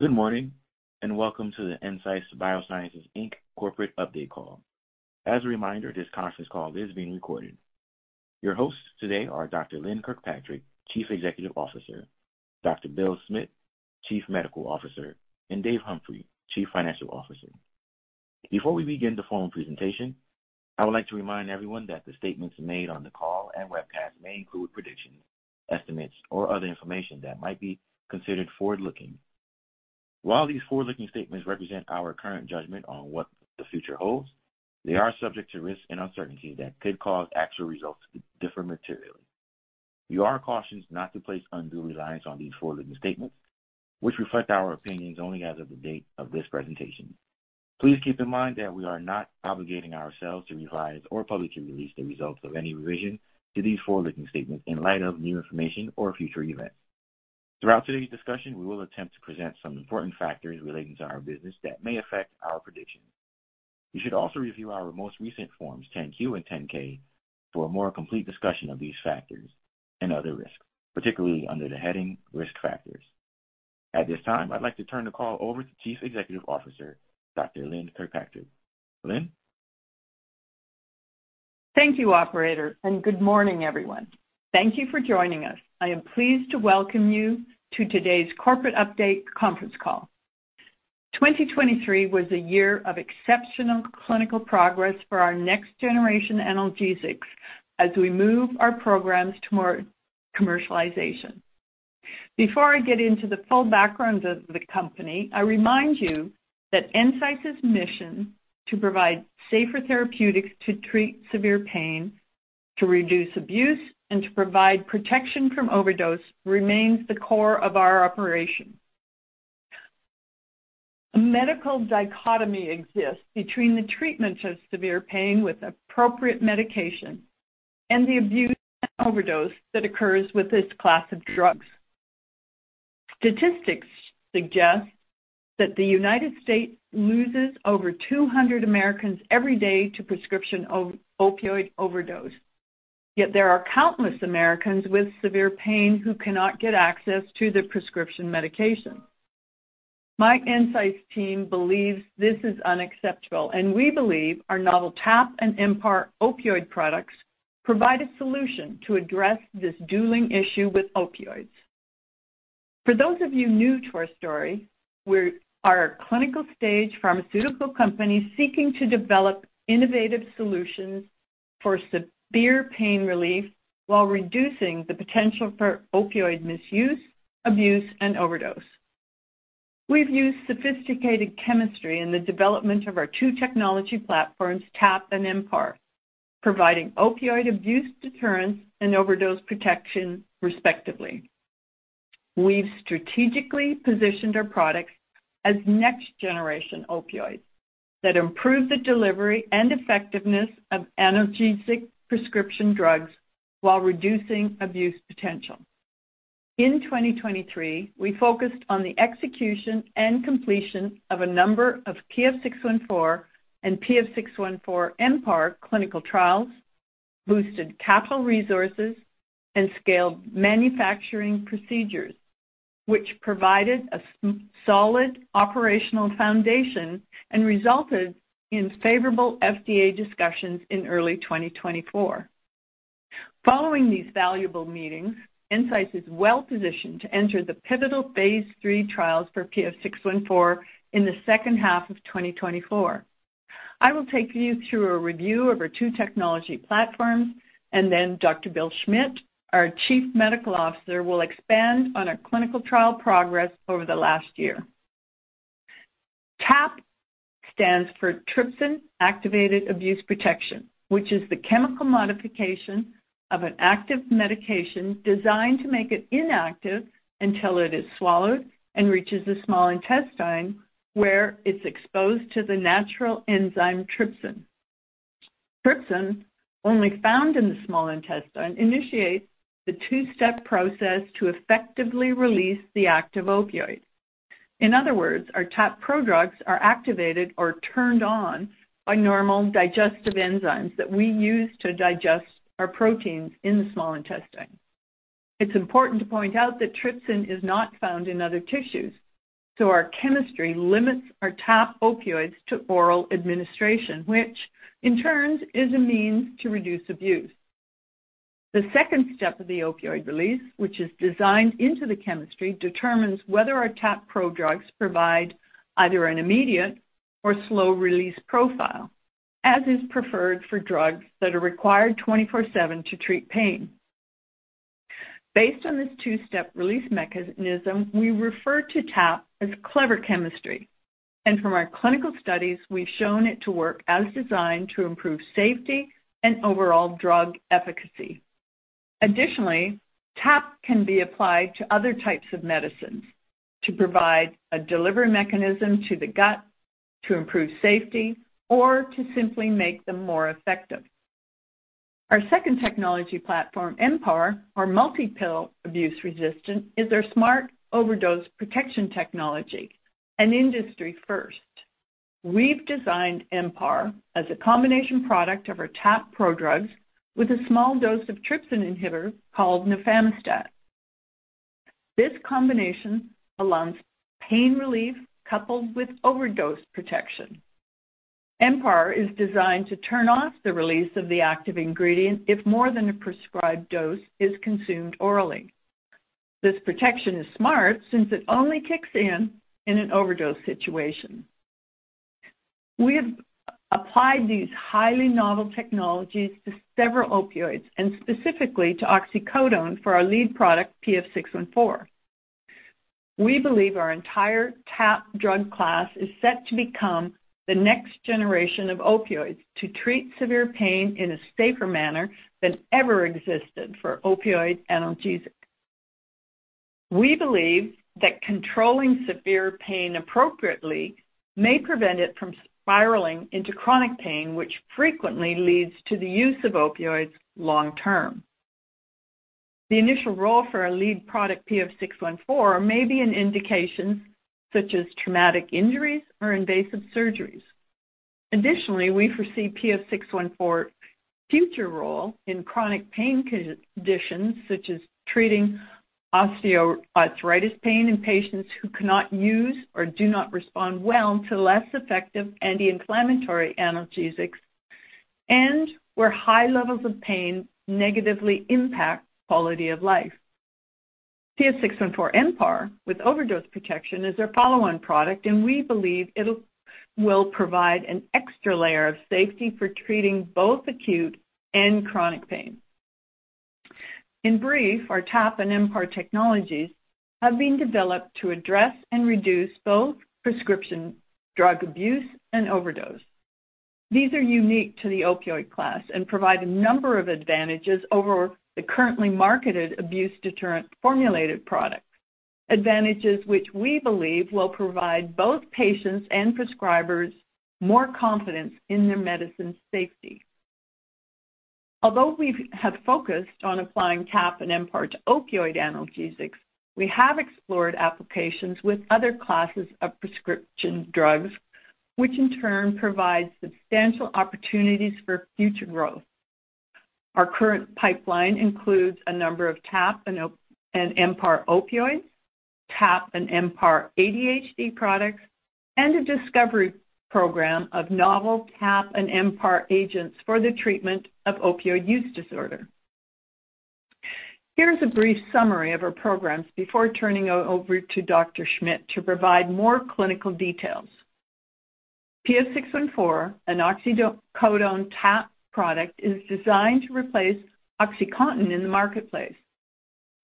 Good morning, and welcome to the Ensysce Biosciences, Inc. Corporate Update Call. As a reminder, this conference call is being recorded. Your hosts today are Dr. Lynn Kirkpatrick, Chief Executive Officer; Dr. Bill Schmidt, Chief Medical Officer; and Dave Humphrey, Chief Financial Officer. Before we begin the formal presentation, I would like to remind everyone that the statements made on the call and webcast may include predictions, estimates, or other information that might be considered forward-looking. While these forward-looking statements represent our current judgment on what the future holds, they are subject to risks and uncertainties that could cause actual results to differ materially. You are cautioned not to place undue reliance on these forward-looking statements, which reflect our opinions only as of the date of this presentation. Please keep in mind that we are not obligating ourselves to revise or publicly release the results of any revision to these forward-looking statements in light of new information or future events. Throughout today's discussion, we will attempt to present some important factors relating to our business that may affect our predictions. You should also review our most recent forms, 10-Q and 10-K, for a more complete discussion of these factors and other risks, particularly under the heading Risk Factors. At this time, I'd like to turn the call over to Chief Executive Officer, Dr. Lynn Kirkpatrick. Lynn? Thank you, operator, and good morning, everyone. Thank you for joining us. I am pleased to welcome you to today's corporate update conference call. 2023 was a year of exceptional clinical progress for our next-generation analgesics as we move our programs to more commercialization. Before I get into the full background of the company, I remind you that Ensysce's mission to provide safer therapeutics to treat severe pain, to reduce abuse, and to provide protection from overdose remains the core of our operation. A medical dichotomy exists between the treatment of severe pain with appropriate medication and the abuse and overdose that occurs with this class of drugs. Statistics suggest that the United States loses over 200 Americans every day to prescription opioid overdose, yet there are countless Americans with severe pain who cannot get access to the prescription medication. Ensysce's team believes this is unacceptable, and we believe our novel TAAP and MPAR opioid products provide a solution to address this dual issue with opioids. For those of you new to our story, we are a clinical-stage pharmaceutical company seeking to develop innovative solutions for severe pain relief while reducing the potential for opioid misuse, abuse, and overdose. We've used sophisticated chemistry in the development of our two technology platforms, TAAP and MPAR, providing opioid abuse deterrence and overdose protection, respectively. We've strategically positioned our products as next-generation opioids that improve the delivery and effectiveness of analgesic prescription drugs while reducing abuse potential. In 2023, we focused on the execution and completion of a number of PF614 and PF614-MPAR clinical trials, boosted capital resources, and scaled manufacturing procedures, which provided a solid operational foundation and resulted in favorable FDA discussions in early 2024. Following these valuable meetings, Ensysce is well positioned to enter the pivotal phase III trials for PF614 in the second half of 2024. I will take you through a review of our two technology platforms, and then Dr. Bill Schmidt, our Chief Medical Officer, will expand on our clinical trial progress over the last year. TAAP stands for Trypsin-Activated Abuse Protection, which is the chemical modification of an active medication designed to make it inactive until it is swallowed and reaches the small intestine, where it's exposed to the natural enzyme trypsin. Trypsin, only found in the small intestine, initiates the two-step process to effectively release the active opioid. In other words, our TAAP prodrugs are activated or turned on by normal digestive enzymes that we use to digest our proteins in the small intestine. It's important to point out that trypsin is not found in other tissues, so our chemistry limits our TAAP opioids to oral administration, which in turn is a means to reduce abuse. The second step of the opioid release, which is designed into the chemistry, determines whether our TAAP prodrugs provide either an immediate or slow-release profile, as is preferred for drugs that are required 24/7 to treat pain. Based on this two-step release mechanism, we refer to TAAP as clever chemistry, and from our clinical studies, we've shown it to work as designed to improve safety and overall drug efficacy. Additionally, TAAP can be applied to other types of medicines to provide a delivery mechanism to the gut, to improve safety, or to simply make them more effective. Our second technology platform, MPAR, or Multi-Pill Abuse Resistance, is our smart overdose protection technology, an industry first. We've designed MPAR as a combination product of our TAAP prodrugs with a small dose of trypsin inhibitor called nafamostat. This combination allows pain relief coupled with overdose protection. MPAR is designed to turn off the release of the active ingredient if more than a prescribed dose is consumed orally. This protection is smart, since it only kicks in, in an overdose situation. We have applied these highly novel technologies to several opioids, and specifically to oxycodone for our lead product, PF614. We believe our entire TAAP drug class is set to become the next generation of opioids, to treat severe pain in a safer manner than ever existed for opioid analgesic. We believe that controlling severe pain appropriately may prevent it from spiraling into chronic pain, which frequently leads to the use of opioids long-term. The initial role for our lead product, PF614, may be an indication such as traumatic injuries or invasive surgeries. Additionally, we foresee PF614's future role in chronic pain conditions, such as treating osteoarthritis pain in patients who cannot use or do not respond well to less effective anti-inflammatory analgesics, and where high levels of pain negatively impact quality of life. PF614-MPAR with overdose protection is our follow-on product, and we believe it will provide an extra layer of safety for treating both acute and chronic pain. In brief, our TAAP and MPAR technologies have been developed to address and reduce both prescription drug abuse and overdose. These are unique to the opioid class and provide a number of advantages over the currently marketed abuse-deterrent formulated products, advantages which we believe will provide both patients and prescribers more confidence in their medicine safety. Although we've focused on applying TAAP and MPAR to opioid analgesics, we have explored applications with other classes of prescription drugs, which in turn provides substantial opportunities for future growth. Our current pipeline includes a number of TAAP and MPAR opioids, TAAP and MPAR ADHD products, and a discovery program of novel TAAP and MPAR agents for the treatment of opioid use disorder. Here's a brief summary of our programs before turning over to Dr. Schmidt to provide more clinical details. PF614, an oxycodone TAAP product, is designed to replace OxyContin in the marketplace.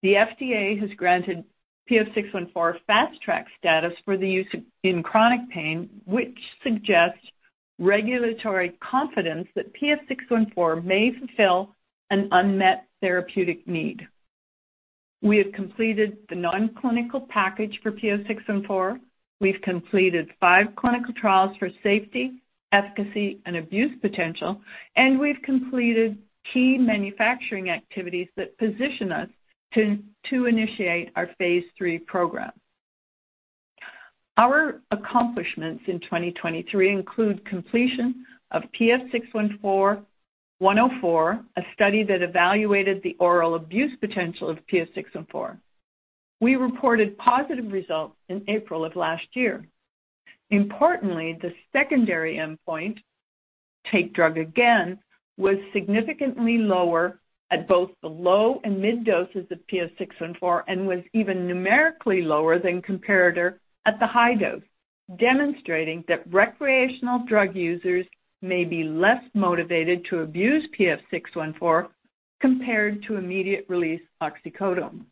The FDA has granted PF614 Fast Track status for the use in chronic pain, which suggests regulatory confidence that PF614 may fulfill an unmet therapeutic need. We have completed the non-clinical package for PF614. We've completed 5 clinical trials for safety, efficacy, and abuse potential, and we've completed key manufacturing activities that position us to initiate our phase III program. Our accomplishments in 2023 include completion of PF614-104, a study that evaluated the oral abuse potential of PF614. We reported positive results in April of last year. Importantly, the secondary endpoint, take drug again, was significantly lower at both the low and mid doses of PF614, and was even numerically lower than comparator at the high dose, demonstrating that recreational drug users may be less motivated to abuse PF614 compared to immediate-release oxycodone.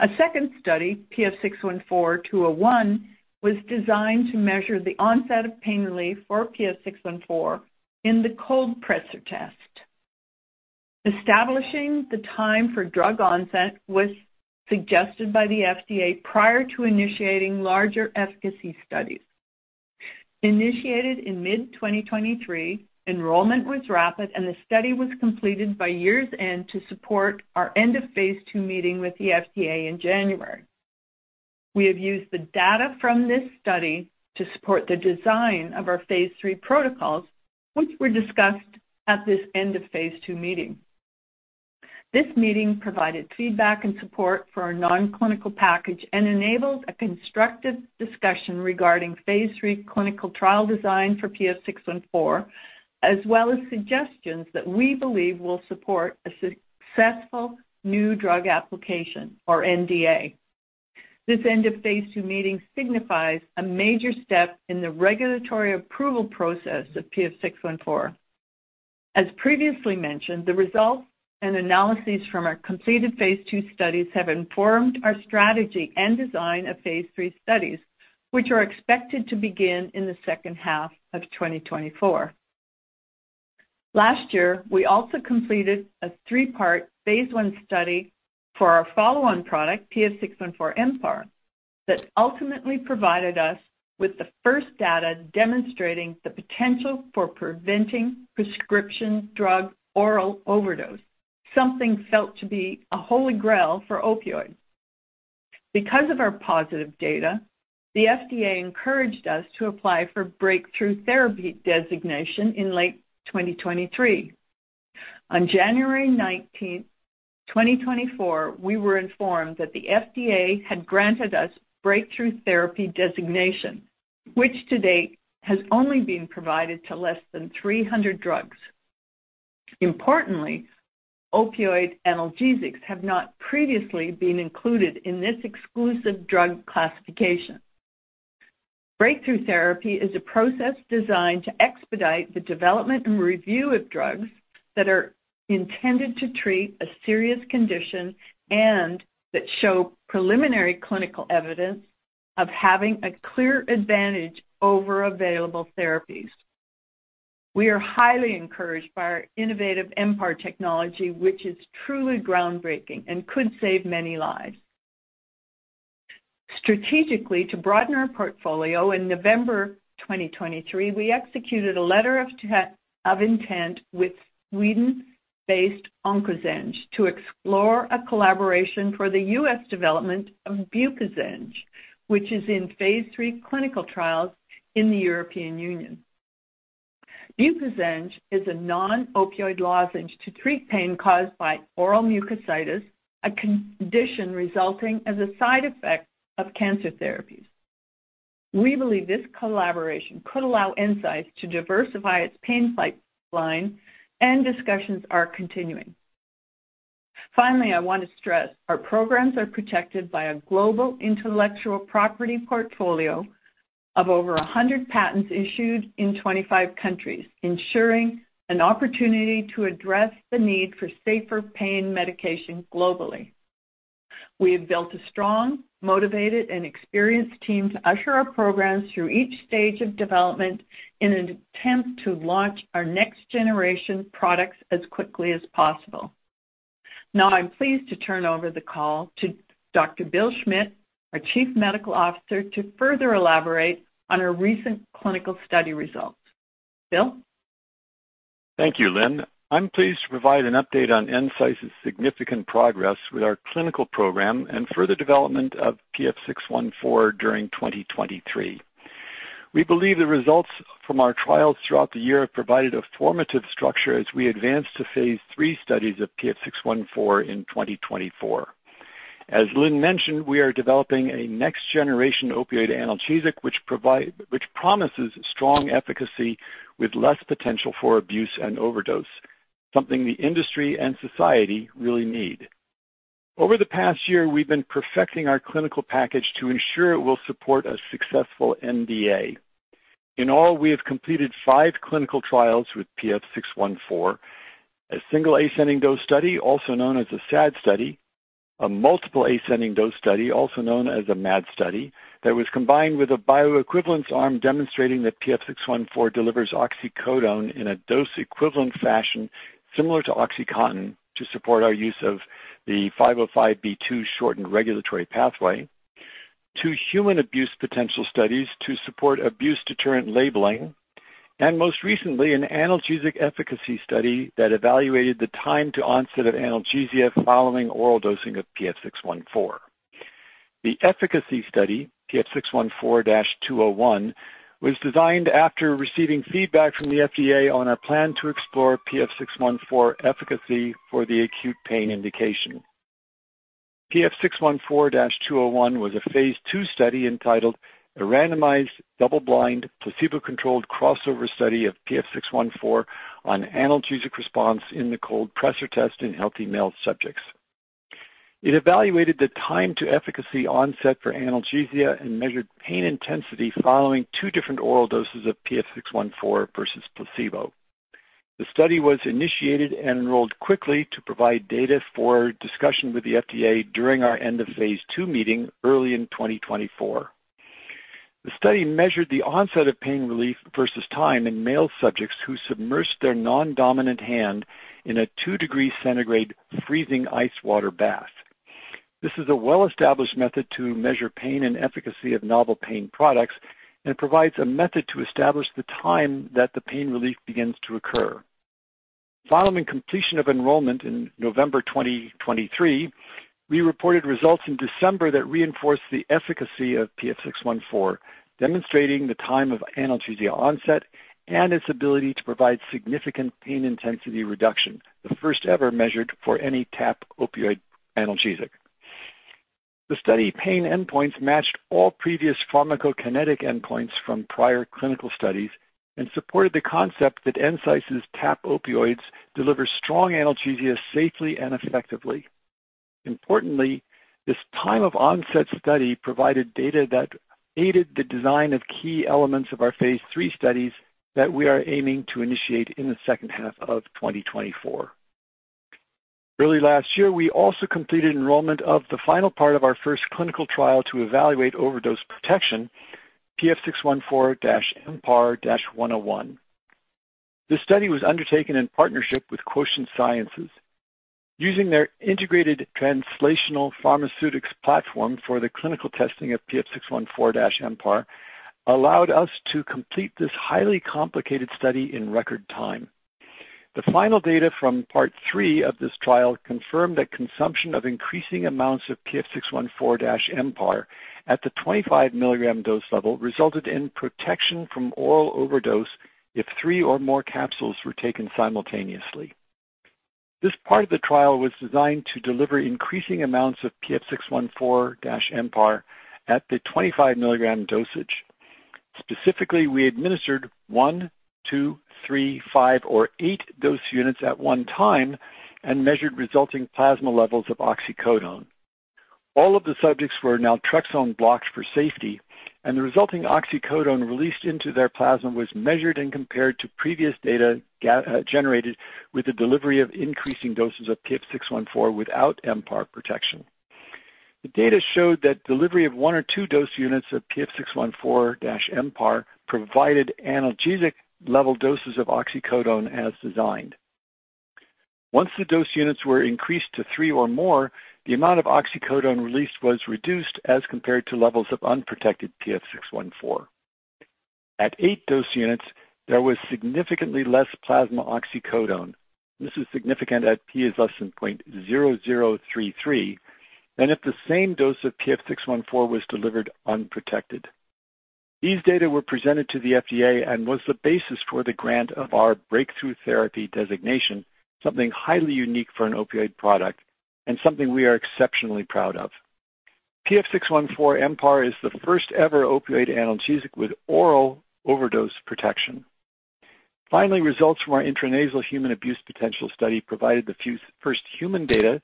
A second study, PF614-201, was designed to measure the onset of pain relief for PF614 in the cold pressor test. Establishing the time for drug onset was suggested by the FDA prior to initiating larger efficacy studies. Initiated in mid-2023, enrollment was rapid, and the study was completed by year's end to support our end-of-phase II meeting with the FDA in January. We have used the data from this study to support the design of our phase III protocols, which were discussed at this end-of-phase II meeting. This meeting provided feedback and support for our non-clinical package and enabled a constructive discussion regarding phase III clinical trial design for PF614, as well as suggestions that we believe will support a successful New Drug Application or NDA. This end-of-phase II meeting signifies a major step in the regulatory approval process of PF614. As previously mentioned, the results and analyses from our completed phase II studies have informed our strategy and design of phase III studies, which are expected to begin in the second half of 2024. Last year, we also completed a three-part phase I study for our follow-on product, PF614-MPAR, that ultimately provided us with the first data demonstrating the potential for preventing prescription drug oral overdose, something felt to be a holy grail for opioids. Because of our positive data, the FDA encouraged us to apply for breakthrough therapy designation in late 2023. On January 19, 2024, we were informed that the FDA had granted us breakthrough therapy designation, which to date has only been provided to less than 300 drugs. Importantly, opioid analgesics have not previously been included in this exclusive drug classification. Breakthrough therapy is a process designed to expedite the development and review of drugs that are intended to treat a serious condition and that show preliminary clinical evidence of having a clear advantage over available therapies. We are highly encouraged by our innovative MPAR technology, which is truly groundbreaking and could save many lives. Strategically, to broaden our portfolio, in November 2023, we executed a letter of intent with Sweden-based OncoZenge to explore a collaboration for the U.S. development of BupiZenge, which is in phase III clinical trials in the European Union. BupiZenge is a non-opioid lozenge to treat pain caused by oral mucositis, a condition resulting as a side effect of cancer therapies. We believe this collaboration could allow Ensysce to diversify its pain pipeline, and discussions are continuing. Finally, I want to stress our programs are protected by a global intellectual property portfolio of over 100 patents issued in 25 countries, ensuring an opportunity to address the need for safer pain medication globally. We have built a strong, motivated, and experienced team to usher our programs through each stage of development in an attempt to launch our next generation products as quickly as possible. Now, I'm pleased to turn over the call to Dr. Bill Schmidt, our Chief Medical Officer, to further elaborate on our recent clinical study results. Bill? Thank you, Lynn. I'm pleased to provide an update on Ensysce's significant progress with our clinical program and further development of PF614 during 2023. We believe the results from our trials throughout the year have provided a formative structure as we advance to phase III studies of PF614 in 2024. As Lynn mentioned, we are developing a next generation opioid analgesic, which promises strong efficacy with less potential for abuse and overdose, something the industry and society really need. Over the past year, we've been perfecting our clinical package to ensure it will support a successful NDA. In all, we have completed five clinical trials with PF614, a single ascending dose study, also known as a SAD study, a multiple ascending dose study, also known as a MAD study, that was combined with a bioequivalence arm, demonstrating that PF614 delivers oxycodone in a dose-equivalent fashion similar to OxyContin, to support our use of the 505 shortened regulatory pathway, two human abuse potential studies to support abuse-deterrent labeling, and most recently, an analgesic efficacy study that evaluated the time to onset of analgesia following oral dosing of PF614. The efficacy study, PF614-201, was designed after receiving feedback from the FDA on our plan to explore PF614 efficacy for the acute pain indication. PF614-201 was a phase II study entitled A Randomized, Double-Blind, Placebo-Controlled Crossover Study of PF614 on Analgesic Response in the Cold Pressor Test in Healthy Male Subjects. It evaluated the time to efficacy onset for analgesia and measured pain intensity following two different oral doses of PF614 versus placebo. The study was initiated and enrolled quickly to provide data for discussion with the FDA during our end of phase II meeting early in 2024. The study measured the onset of pain relief versus time in male subjects who submersed their non-dominant hand in a 2-degree Celsius freezing ice water bath. This is a well-established method to measure pain and efficacy of novel pain products and provides a method to establish the time that the pain relief begins to occur. Following completion of enrollment in November 2023, we reported results in December that reinforced the efficacy of PF614, demonstrating the time of analgesia onset and its ability to provide significant pain intensity reduction, the first ever measured for any TAAP opioid analgesic. The study pain endpoints matched all previous pharmacokinetic endpoints from prior clinical studies and supported the concept that Ensysce's TAAP opioids deliver strong analgesia safely and effectively. Importantly, this time of onset study provided data that aided the design of key elements of our phase III studies that we are aiming to initiate in the second half of 2024. Early last year, we also completed enrollment of the final part of our first clinical trial to evaluate overdose protection, PF614-MPAR-101. This study was undertaken in partnership with Quotient Sciences. Using their integrated translational pharmaceutics platform for the clinical testing of PF614-MPAR, allowed us to complete this highly complicated study in record time. The final data from part three of this trial confirmed that consumption of increasing amounts of PF614-MPAR at the 25 mg dose level resulted in protection from oral overdose if three or more capsules were taken simultaneously. This part of the trial was designed to deliver increasing amounts of PF614-MPAR at the 25 mg dosage. Specifically, we administered one, two, three, five, or eight dose units at one time and measured resulting plasma levels of oxycodone. All of the subjects were naltrexone blocked for safety, and the resulting oxycodone released into their plasma was measured and compared to previous data generated with the delivery of increasing doses of PF614 without MPAR protection. The data showed that delivery of one or two dose units of PF614-MPAR provided analgesic level doses of oxycodone as designed. Once the dose units were increased to three or more, the amount of oxycodone released was reduced as compared to levels of unprotected PF614. At eight dose units, there was significantly less plasma oxycodone. This is significant at p < 0.0033, and if the same dose of PF614 was delivered unprotected. These data were presented to the FDA and was the basis for the grant of our Breakthrough Therapy Designation, something highly unique for an opioid product and something we are exceptionally proud of. PF614-MPAR is the first-ever opioid analgesic with oral overdose protection. Finally, results from our intranasal human abuse potential study provided the first human data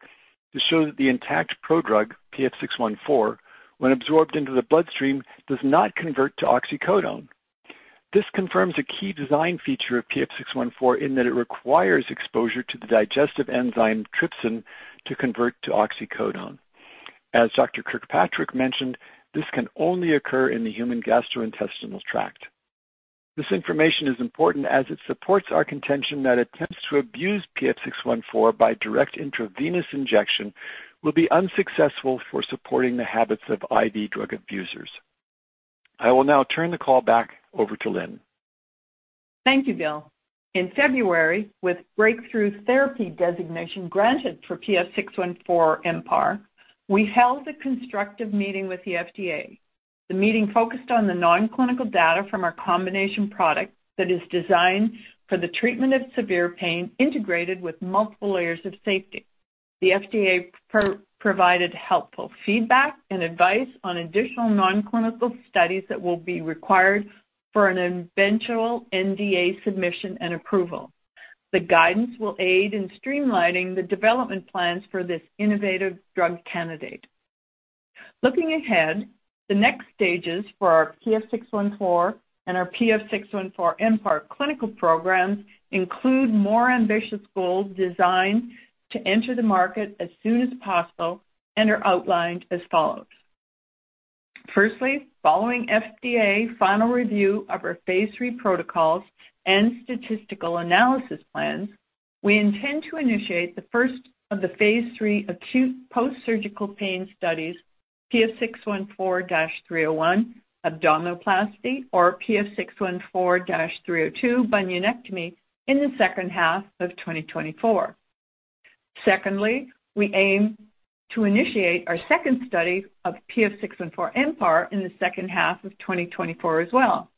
to show that the intact prodrug, PF614, when absorbed into the bloodstream, does not convert to oxycodone. This confirms a key design feature of PF614 in that it requires exposure to the digestive enzyme trypsin to convert to oxycodone. As Dr. Kirkpatrick mentioned, this can only occur in the human gastrointestinal tract. This information is important as it supports our contention that attempts to abuse PF614 by direct intravenous injection will be unsuccessful for supporting the habits of IV drug abusers. I will now turn the call back over to Lynn. Thank you, Bill. In February, with breakthrough therapy designation granted for PF614-MPAR, we held a constructive meeting with the FDA. The meeting focused on the non-clinical data from our combination product that is designed for the treatment of severe pain integrated with multiple layers of safety. The FDA provided helpful feedback and advice on additional non-clinical studies that will be required for an eventual NDA submission and approval. The guidance will aid in streamlining the development plans for this innovative drug candidate. Looking ahead, the next stages for our PF614 and our PF614-MPAR clinical programs include more ambitious goals designed to enter the market as soon as possible and are outlined as follows. Firstly, following FDA final review of our phase III protocols and statistical analysis plans, we intend to initiate the first of the phase III acute post-surgical pain studies, PF614-301, abdominoplasty, or PF614-302, bunionectomy, in the second half of 2024. Secondly, we aim to initiate our second study of PF614-MPAR in the second half of 2024 as well.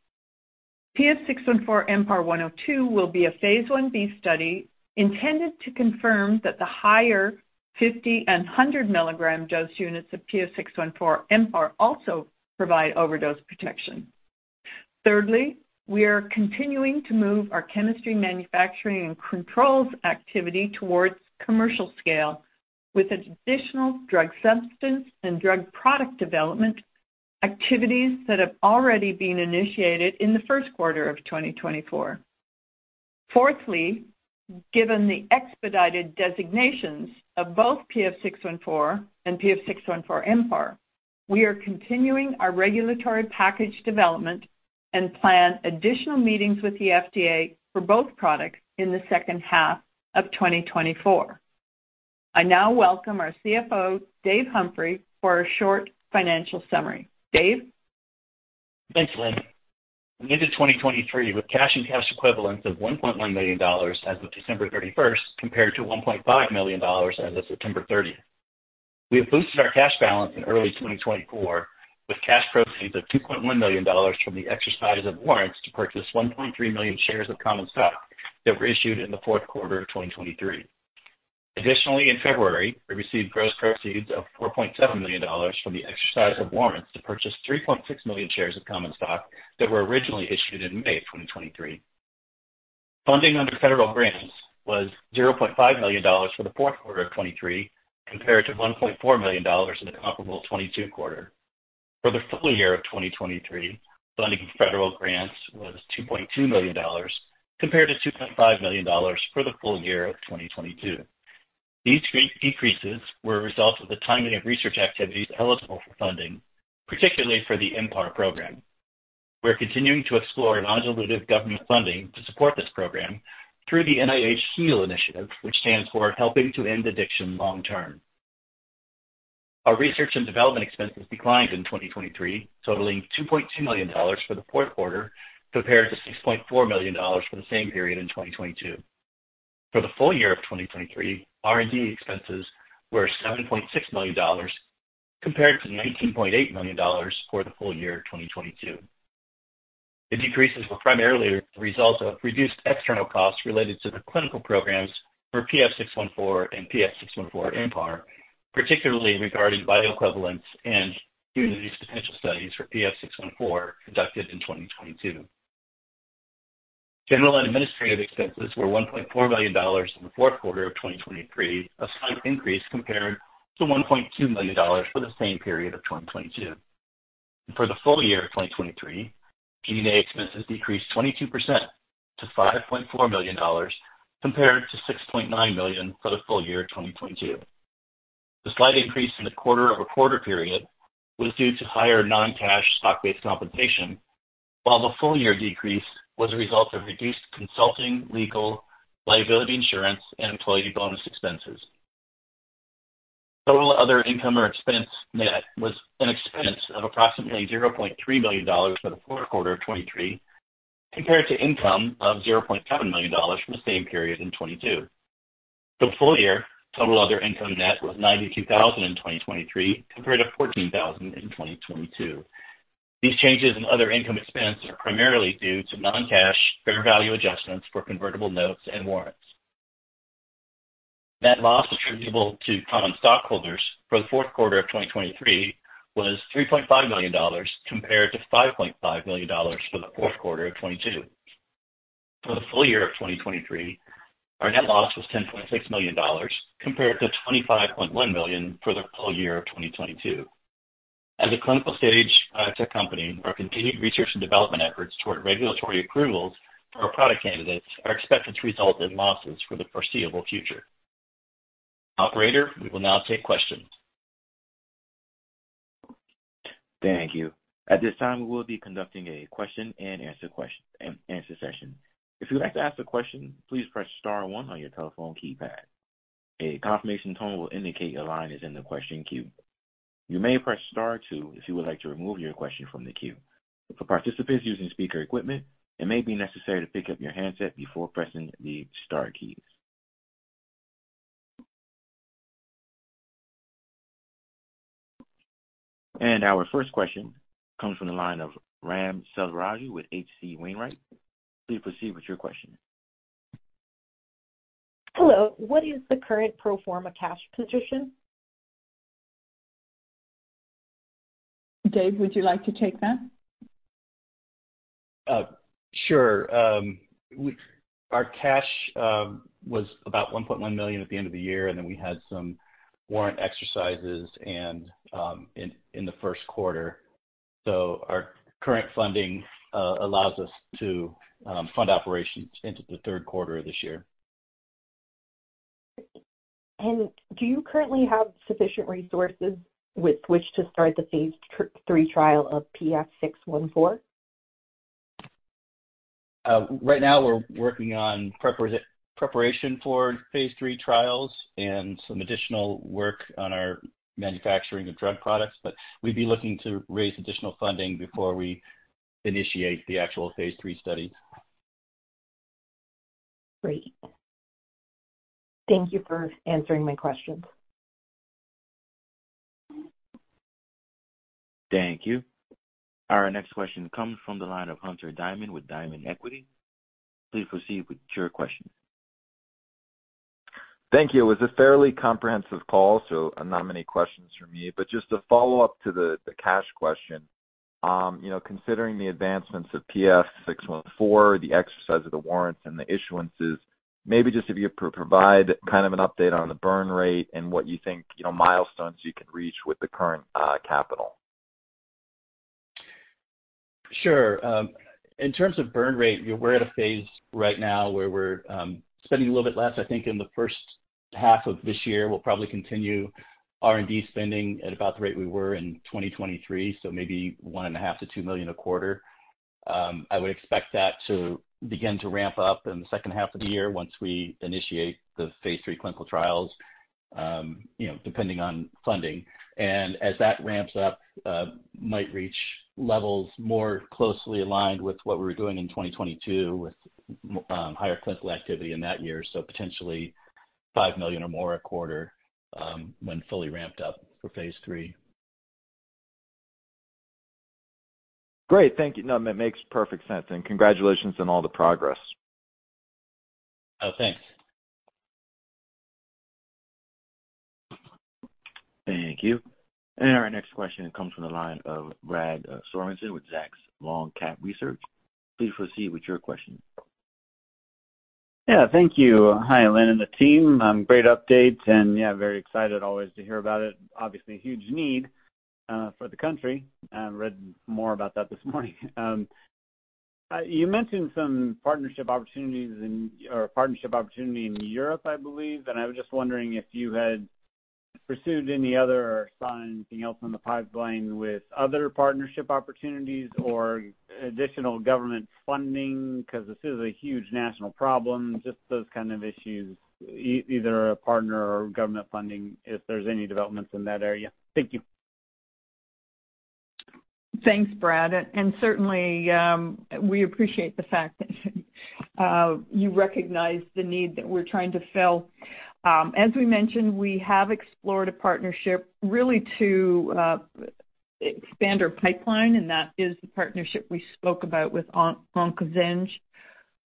PF614-MPAR 102 will be a phase I-B study intended to confirm that the higher 50 and 100 mg dose units of PF614-MPAR also provide overdose protection. Thirdly, we are continuing to move our chemistry, manufacturing and controls activity towards commercial scale with additional drug substance and drug product development activities that have already been initiated in the first quarter of 2024. Fourthly, given the expedited designations of both PF614 and PF614-MPAR, we are continuing our regulatory package development and plan additional meetings with the FDA for both products in the second half of 2024. I now welcome our CFO, Dave Humphrey, for a short financial summary. Dave? Thanks, Lynn. We ended 2023 with cash and cash equivalents of $1.1 million as of December 31st, compared to $1.5 million as of September 30th. We have boosted our cash balance in early 2024, with cash proceeds of $2.1 million from the exercise of warrants to purchase 1.3 million shares of common stock that were issued in the fourth quarter of 2023. Additionally, in February, we received gross proceeds of $4.7 million from the exercise of warrants to purchase 3.6 million shares of common stock that were originally issued in May of 2023. Funding under federal grants was $0.5 million for the fourth quarter of 2023, compared to $1.4 million in the comparable 2022 quarter. For the full year of 2023, funding of federal grants was $2.2 million, compared to $2.5 million for the full year of 2022. These great increases were a result of the timing of research activities eligible for funding, particularly for the MPAR program. We're continuing to explore non-dilutive government funding to support this program through the NIH HEAL initiative, which stands for Helping to End Addiction Long-term. Our research and development expenses declined in 2023, totaling $2.2 million for the fourth quarter, compared to $6.4 million for the same period in 2022. For the full year of 2023, R&D expenses were $7.6 million, compared to $19.8 million for the full year of 2022. The decreases were primarily the result of reduced external costs related to the clinical programs for PF614 and PF614-MPAR, particularly regarding bioequivalence and due to the substantial studies for PF614 conducted in 2022. General and administrative expenses were $1.4 million in the fourth quarter of 2023, a slight increase compared to $1.2 million for the same period of 2022. For the full year of 2023, G&A expenses decreased 22% to $5.4 million, compared to $6.9 million for the full year of 2022. The slight increase in the quarter-over-quarter period was due to higher non-cash stock-based compensation, while the full year decrease was a result of reduced consulting, legal, liability insurance, and employee bonus expenses. Total other income or expense net was an expense of approximately $0.3 million for the fourth quarter of 2023, compared to income of $0.7 million for the same period in 2022. The full year total other income net was $92,000 in 2023, compared to $14,000 in 2022. These changes in other income expense are primarily due to non-cash fair value adjustments for convertible notes and warrants. Net loss attributable to common stockholders for the fourth quarter of 2023 was $3.5 million, compared to $5.5 million for the fourth quarter of 2022. For the full year of 2023, our net loss was $10.6 million, compared to $25.1 million for the full year of 2022. As a clinical stage biotech company, our continued research and development efforts toward regulatory approvals for our product candidates are expected to result in losses for the foreseeable future. Operator, we will now take questions. Thank you. At this time, we will be conducting a question and answer session. If you'd like to ask a question, please press star one on your telephone keypad. A confirmation tone will indicate your line is in the question queue. You may press star two if you would like to remove your question from the queue. For participants using speaker equipment, it may be necessary to pick up your handset before pressing the star keys. Our first question comes from the line of Ram Selvaraju with H.C. Wainwright. Please proceed with your question. Hello, what is the current pro forma cash position? Dave, would you like to take that? Sure. Our cash was about $1.1 million at the end of the year, and then we had some warrant exercises and in the first quarter. Our current funding allows us to fund operations into the third quarter of this year. Do you currently have sufficient resources with which to start the phase III trial of PF614? Right now we're working on preparation for phase III trials and some additional work on our manufacturing of drug products, but we'd be looking to raise additional funding before we initiate the actual phase III study. Great. Thank you for answering my questions. Thank you. Our next question comes from the line of Hunter Diamond with Diamond Equity. Please proceed with your question. Thank you. It was a fairly comprehensive call, so not many questions from me. But just a follow-up to the cash question. You know, considering the advancements of PF614, the exercise of the warrants and the issuances, maybe just if you provide kind of an update on the burn rate and what you think, you know, milestones you can reach with the current capital. Sure. In terms of burn rate, we're at a phase right now where we're spending a little bit less. I think in the first half of this year, we'll probably continue R&D spending at about the rate we were in 2023, so maybe $1.5 million-$2 million a quarter. I would expect that to begin to ramp up in the second half of the year once we initiate the phase III clinical trials, you know, depending on funding. And as that ramps up, might reach levels more closely aligned with what we were doing in 2022 with higher clinical activity in that year. So potentially $5 million or more a quarter, when fully ramped up for phase III. Great. Thank you. No, it makes perfect sense, and congratulations on all the progress. Oh, thanks. Thank you. Our next question comes from the line of Brad Sorensen with Zacks Small-Cap Research. Please proceed with your question. Yeah, thank you. Hi, Lynn and the team. Great update, and yeah, very excited always to hear about it. Obviously, a huge need, for the country. I read more about that this morning. You mentioned some partnership opportunities in... or partnership opportunity in Europe, I believe, and I was just wondering if you had pursued any other or signed anything else in the pipeline with other partnership opportunities or additional government funding, because this is a huge national problem, just those kind of issues, either a partner or government funding, if there's any developments in that area. Thank you. Thanks, Brad. And certainly, we appreciate the fact that you recognize the need that we're trying to fill. As we mentioned, we have explored a partnership really to expand our pipeline, and that is the partnership we spoke about with OncoZenge.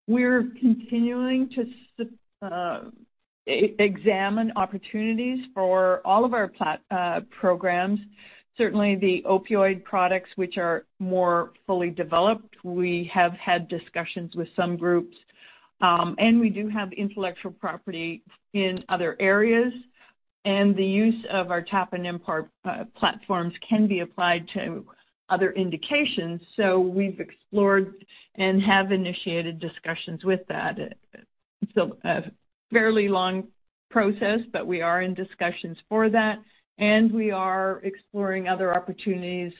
We're continuing to examine opportunities for all of our programs. Certainly, the opioid products, which are more fully developed, we have had discussions with some groups, and we do have intellectual property in other areas, and the use of our TAAP and MPAR platforms can be applied to other indications. So we've explored and have initiated discussions with that. It's a fairly long process, but we are in discussions for that, and we are exploring other opportunities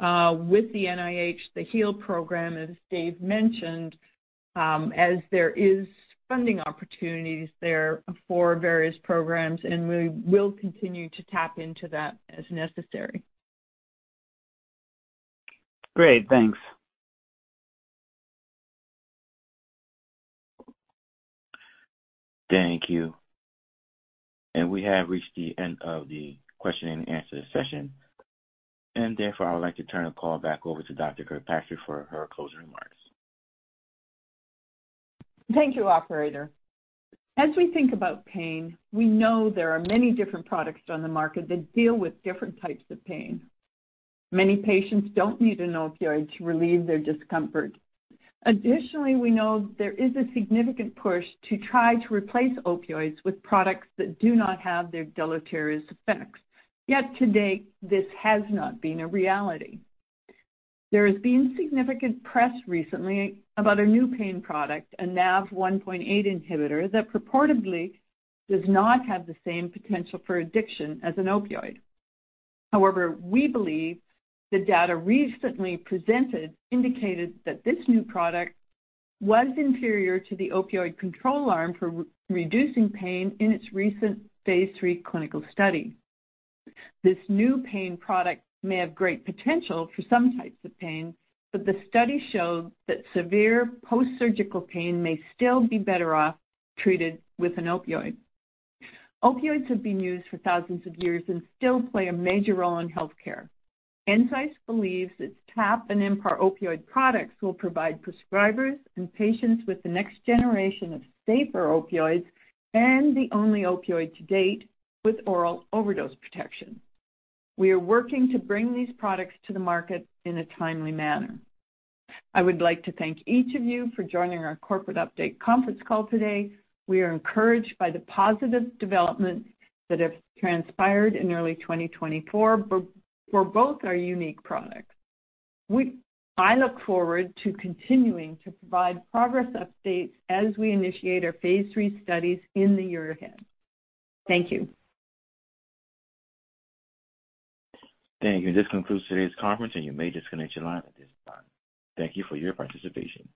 with the NIH, the HEAL program, as Dave mentioned, as there is funding opportunities there for various programs, and we will continue to TAAP into that as necessary. Great. Thanks. Thank you. We have reached the end of the question and answer session, and therefore, I would like to turn the call back over to Dr. Kirkpatrick for her closing remarks. Thank you, operator. As we think about pain, we know there are many different products on the market that deal with different types of pain. Many patients don't need an opioid to relieve their discomfort. Additionally, we know there is a significant push to try to replace opioids with products that do not have their deleterious effects. Yet to date, this has not been a reality. There has been significant press recently about a new pain product, a NaV1.8 inhibitor, that purportedly does not have the same potential for addiction as an opioid. However, we believe the data recently presented indicated that this new product was inferior to the opioid control arm for reducing pain in its recent phase III clinical study. This new pain product may have great potential for some types of pain, but the study showed that severe post-surgical pain may still be better off treated with an opioid. Opioids have been used for thousands of years and still play a major role in healthcare. Ensysce believes its TAAP and MPAR opioid products will provide prescribers and patients with the next generation of safer opioids and the only opioid to date with oral overdose protection. We are working to bring these products to the market in a timely manner. I would like to thank each of you for joining our corporate update conference call today. We are encouraged by the positive developments that have transpired in early 2024 for both our unique products. I look forward to continuing to provide progress updates as we initiate our phase III studies in the year ahead. Thank you. Thank you. This concludes today's conference, and you may disconnect your line at this time. Thank you for your participation.